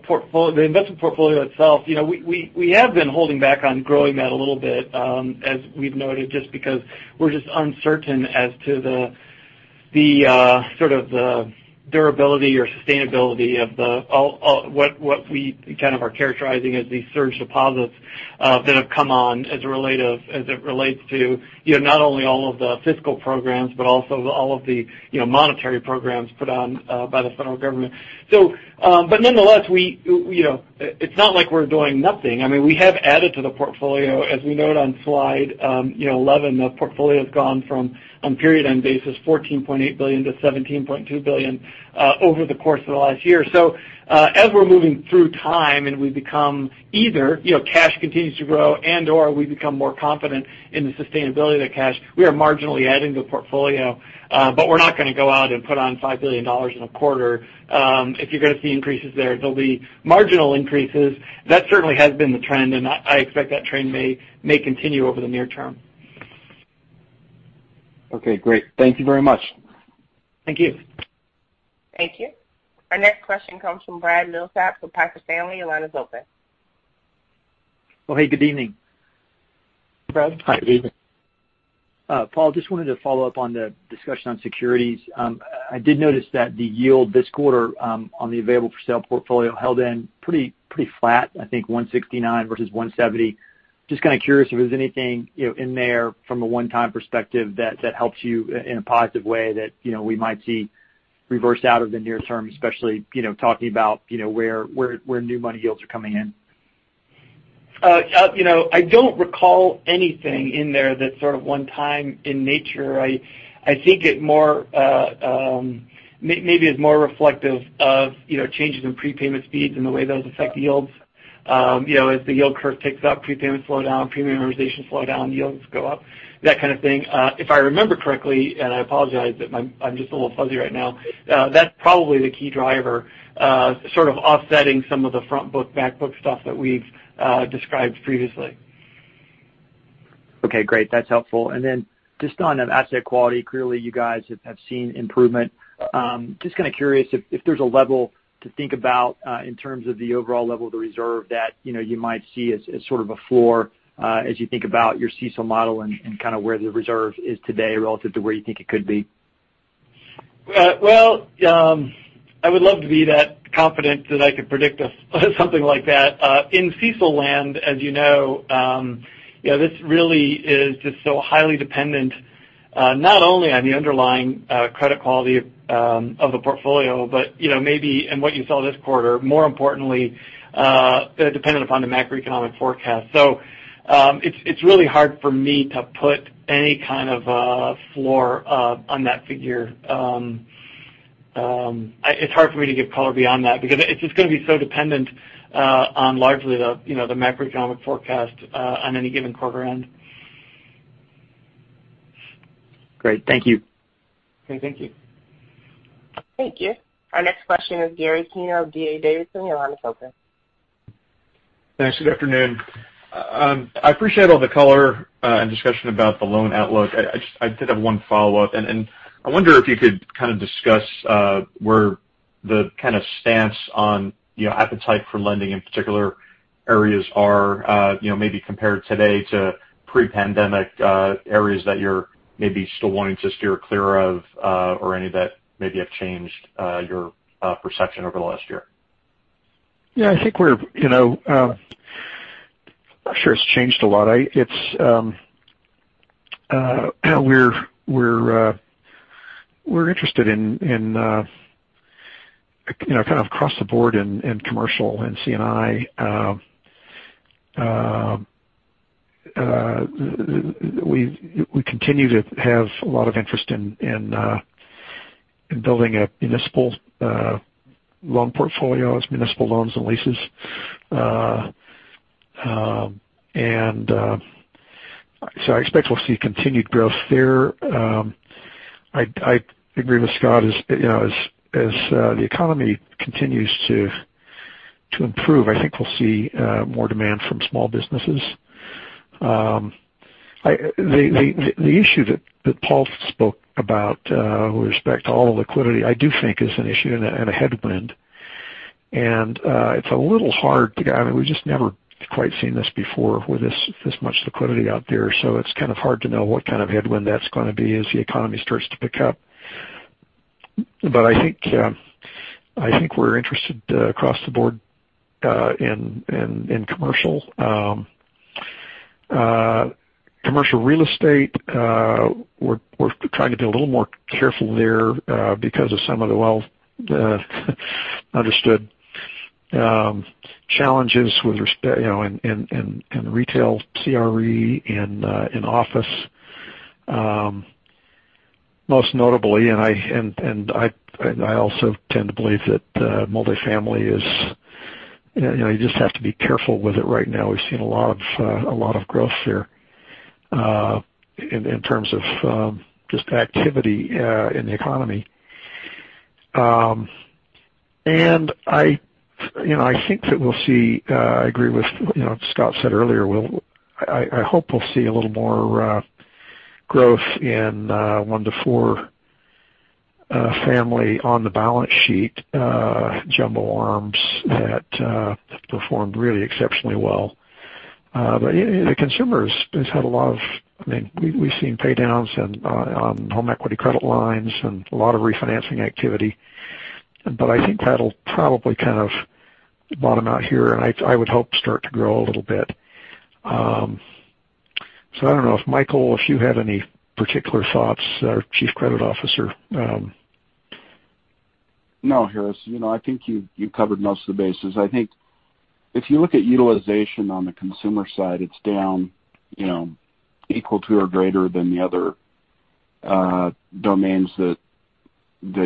S4: investment portfolio itself, we have been holding back on growing that a little bit as we've noted, just because we're just uncertain as to the sort of the durability or sustainability of what we kind of are characterizing as these surge deposits that have come on as it relates to not only all of the fiscal programs, but also all of the monetary programs put on by the Federal Government. Nonetheless, it's not like we're doing nothing. I mean, we have added to the portfolio, as we note on slide 11. The portfolio's gone from, on period end basis, $14.8 billion-$17.2 billion over the course of the last year. As we're moving through time and either cash continues to grow and/or we become more confident in the sustainability of the cash, we are marginally adding to the portfolio. We're not going to go out and put on $5 billion in a quarter. If you're going to see increases there, they'll be marginal increases. That certainly has been the trend, and I expect that trend may continue over the near term.
S12: Okay, great. Thank you very much.
S4: Thank you.
S1: Thank you. Our next question comes from Brad Milsaps from Piper Sandler. Your line is open.
S13: Oh, hey, good evening.
S4: Brad Hi.
S3: Good evening.
S13: Paul, just wanted to follow up on the discussion on securities. I did notice that the yield this quarter on the available-for-sale portfolio held in pretty flat, I think 169 versus 170. Just kind of curious if there's anything in there from a one-time perspective that helps you in a positive way that we might see reverse out of the near term, especially talking about where new money yields are coming in.
S4: I don't recall anything in there that's sort of one time in nature. I think maybe it's more reflective of changes in prepayment speeds and the way those affect the yields. As the yield curve ticks up, prepayments slow down, premium amortization slow down, yields go up, that kind of thing. If I remember correctly, and I apologize that I'm just a little fuzzy right now, that's probably the key driver sort of offsetting some of the front book, back book stuff that we've described previously.
S13: Okay, great. That's helpful. Then just on asset quality, clearly you guys have seen improvement. Just kind of curious if there's a level to think about in terms of the overall level of the reserve that you might see as sort of a floor as you think about your CECL model and kind of where the reserve is today relative to where you think it could be.
S4: Well, I would love to be that confident that I could predict something like that. In CECL land, as you know, this really is just so highly dependent not only on the underlying credit quality of the portfolio, but maybe in what you saw this quarter, more importantly, dependent upon the macroeconomic forecast. It's really hard for me to put any kind of a floor on that figure. It's hard for me to give color beyond that because it's just going to be so dependent on largely the macroeconomic forecast on any given quarter end.
S13: Great. Thank you.
S4: Okay. Thank you.
S1: Thank you. Our next question is Gary Tenner, D.A. Davidson. Your line is open.
S14: Thanks. Good afternoon. I appreciate all the color and discussion about the loan outlook. I did have one follow-up, and I wonder if you could kind of discuss where the kind of stance on appetite for lending in particular areas are maybe compared today to pre-pandemic areas that you're maybe still wanting to steer clear of or any that maybe have changed your perception over the last year.
S3: Yeah, I'm not sure it's changed a lot. We're interested in kind of across the board in commercial and C&I. We continue to have a lot of interest in building a municipal loan portfolio. It's municipal loans and leases. I expect we'll see continued growth there. I agree with Scott, as the economy continues to improve, I think we'll see more demand from small businesses. The issue that Paul spoke about with respect to all the liquidity, I do think is an issue and a headwind. I mean, we've just never quite seen this before with this much liquidity out there. It's kind of hard to know what kind of headwind that's going to be as the economy starts to pick up. I think we're interested across the board in commercial. Commercial real estate, we're trying to be a little more careful there because of some of the well-understood challenges in retail CRE and in office, most notably. I also tend to believe that multifamily, you just have to be careful with it right now. We've seen a lot of growth there in terms of just activity in the economy. I think that we'll see, I agree with what Scott said earlier. I hope we'll see a little more growth in one to four family on the balance sheet, jumbo ARMs that have performed really exceptionally well. The consumer has had a lot of, I mean, we've seen paydowns on home equity credit lines and a lot of refinancing activity. I think that'll probably kind of bottom out here, and I would hope start to grow a little bit. I don't know if, Michael, if you had any particular thoughts, our Chief Credit Officer.
S15: No, Harris, I think you covered most of the bases. I think if you look at utilization on the consumer side, it's down equal to or greater than the other domains that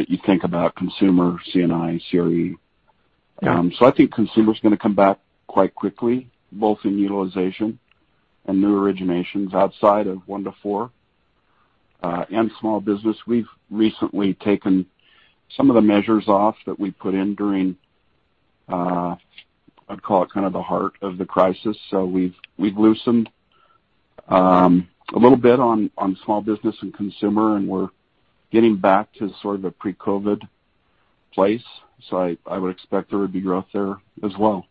S15: you think about consumer, C&I, CRE.
S3: Yeah.
S15: I think consumer's going to come back quite quickly, both in utilization and new originations outside of one to four. Small business, we've recently taken some of the measures off that we put in during, I'd call it kind of the heart of the crisis. We've loosened a little bit on small business and consumer, and we're getting back to sort of a pre-COVID place. I would expect there would be growth there as well.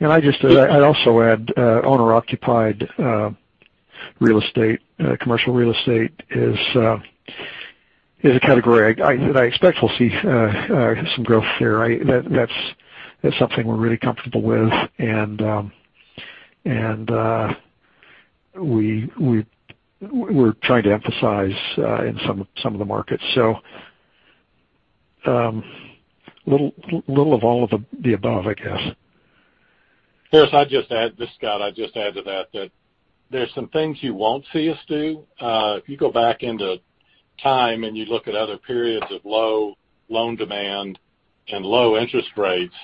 S3: I'd also add owner-occupied real estate, commercial real estate is a category that I expect we'll see some growth there. That's something we're really comfortable with, and we're trying to emphasize in some of the markets. A little of all of the above, I guess.
S11: Harris, this is Scott. I'd just add to that there's some things you won't see us do. If you go back into time and you look at other periods of low loan demand and low interest rates,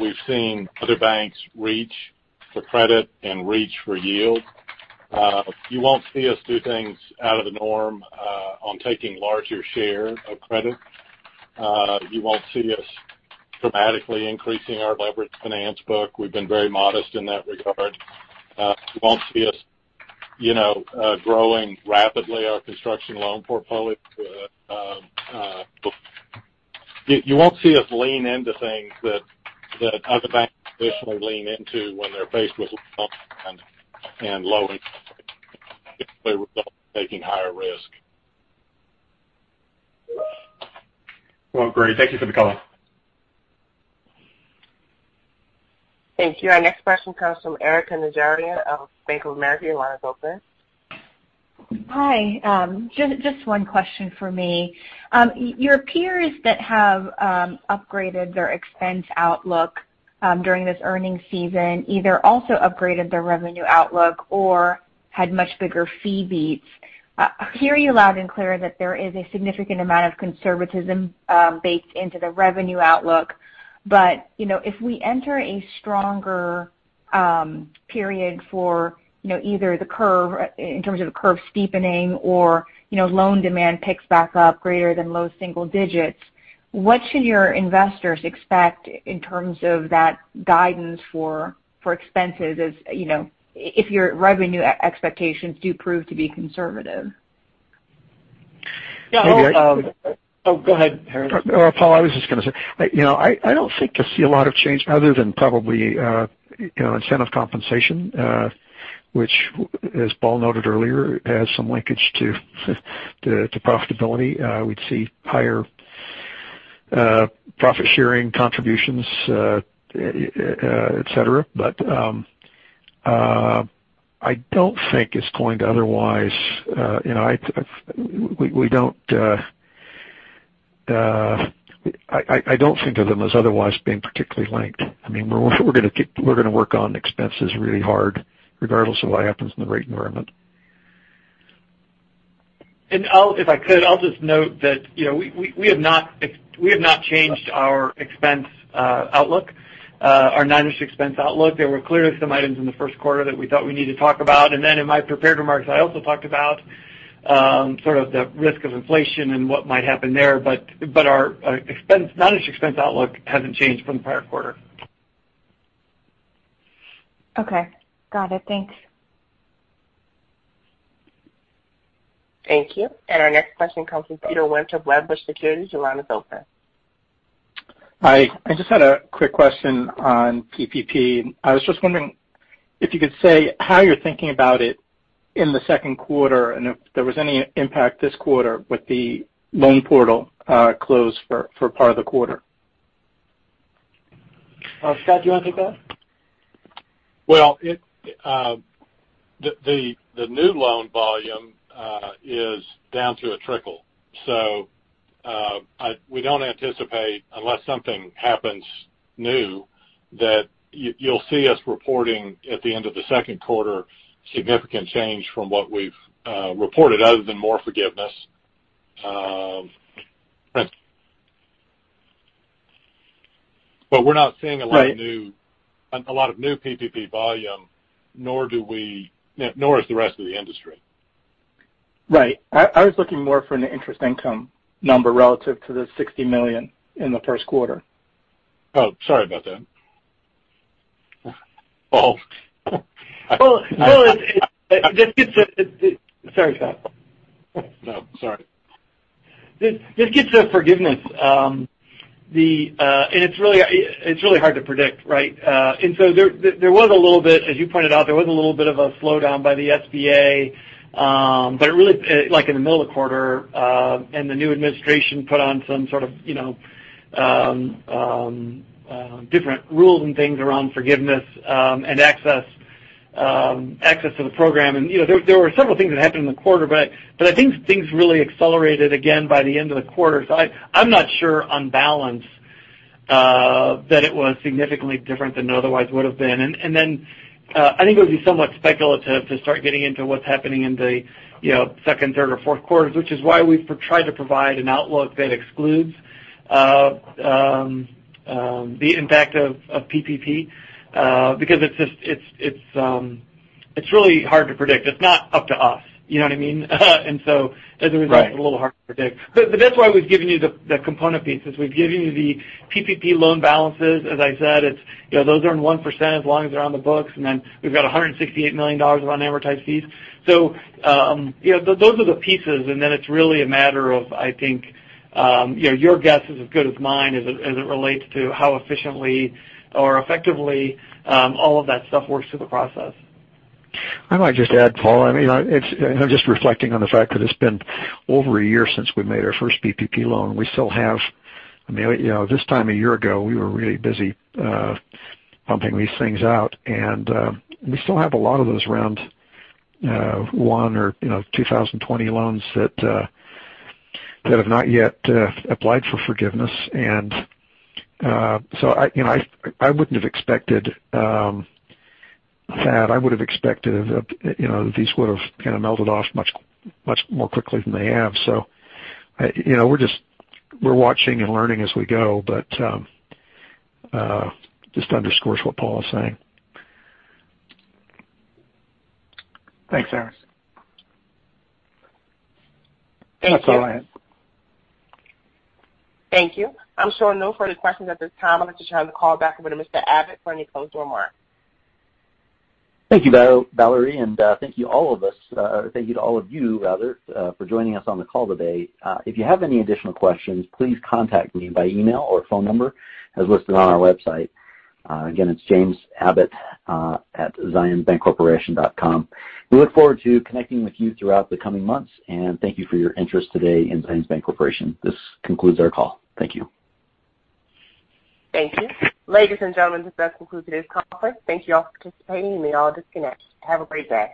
S11: we've seen other banks reach for credit and reach for yield. You won't see us do things out of the norm on taking larger share of credit. You won't see us dramatically increasing our leverage finance book. We've been very modest in that regard. You won't see us growing rapidly our construction loan portfolio. You won't see us lean into things that other banks traditionally lean into when they're faced with and low taking higher risk.
S14: Well, great. Thank you for the color.
S1: Thank you. Our next question comes from Erika Najarian of Bank of America. Your line is open.
S16: Hi. Just one question from me. Your peers that have upgraded their expense outlook during this earnings season either also upgraded their revenue outlook or had much bigger fee beats. Hearing you loud and clear that there is a significant amount of conservatism baked into the revenue outlook. If we enter a stronger period for either the curve in terms of the curve steepening or loan demand picks back up greater than low single digits, what should your investors expect in terms of that guidance for expenses if your revenue expectations do prove to be conservative?
S4: Yeah.
S3: Maybe I-
S4: Oh, go ahead, Harris.
S3: Paul, I was just going to say, I don't think you'll see a lot of change other than probably incentive compensation, which as Paul noted earlier, has some linkage to profitability. We'd see higher profit-sharing contributions, etc. I don't think of them as otherwise being particularly linked. We're going to work on expenses really hard regardless of what happens in the rate environment.
S4: If I could, I'll just note that we have not changed our expense outlook, our non-interest expense outlook. There were clearly some items in the first quarter that we thought we needed to talk about. In my prepared remarks, I also talked about sort of the risk of inflation and what might happen there, but our non-interest expense outlook hasn't changed from the prior quarter.
S16: Okay. Got it. Thanks.
S1: Thank you. Our next question comes from Peter Winter of Wedbush Securities. Your line is open.
S17: Hi. I just had a quick question on PPP. I was just wondering if you could say how you're thinking about it in the second quarter, and if there was any impact this quarter with the loan portal closed for part of the quarter.
S4: Scott, do you want to take that?
S11: Well, the new loan volume is down to a trickle. We don't anticipate, unless something happens new, that you'll see us reporting at the end of the second quarter significant change from what we've reported, other than more forgiveness. We're not seeing a lot-
S17: Right.
S11: ...of new PPP volume, nor is the rest of the industry.
S17: Right. I was looking more for an interest income number relative to the $60 million in the first quarter.
S11: Oh, sorry about that, Paul.
S4: Well, this gets. Sorry, Scott.
S11: No, sorry.
S4: This gets to forgiveness. It's really hard to predict, right? There was a little bit, as you pointed out, there was a little bit of a slowdown by the SBA. Really in the middle of the quarter, and the new administration put on some sort of different rules and things around forgiveness and access to the program. There were several things that happened in the quarter, but I think things really accelerated again by the end of the quarter. I'm not sure on balance that it was significantly different than it otherwise would've been. I think it would be somewhat speculative to start getting into what's happening in the second, third, or fourth quarters, which is why we've tried to provide an outlook that excludes the impact of PPP because it's really hard to predict. It's not up to us. You know what I mean? as a result-
S17: Right.
S4: ...it's a little hard to predict. That's why we've given you the component pieces. We've given you the PPP loan balances. As I said, those earn 1% as long as they're on the books. We've got $168 million of unamortized fees. Those are the pieces, and then it's really a matter of, I think, your guess is as good as mine as it relates to how efficiently or effectively all of that stuff works through the process.
S3: I might just add, Paul, I'm just reflecting on the fact that it's been over a year since we made our first PPP loan. This time a year ago, we were really busy pumping these things out, and we still have a lot of those Round One or 2020 loans that have not yet applied for forgiveness. I wouldn't have expected that, I would've expected these would've kind of melted off much more quickly than they have. We're watching and learning as we go. Just underscores what Paul is saying.
S17: Thanks, Harris.
S1: Thank-
S3: That's all I had.
S1: Thank you. I'm showing no further questions at this time. I'd like to turn the call back over to Mr. Abbott for any closing remarks.
S2: Thank you, Valerie, and thank you to all of you for joining us on the call today. If you have any additional questions, please contact me by email or phone number as listed on our website. Again, it's james.abbott@zionsbancorp.com. We look forward to connecting with you throughout the coming months, and thank you for your interest today in Zions Bancorporation. This concludes our call. Thank you.
S1: Thank you. Ladies and gentlemen, this does conclude today's conference. Thank you all for participating. You may all disconnect. Have a great day.